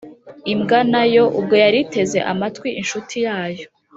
imbwa na yo, ubwo yari iteze amatwi inshuti yayo,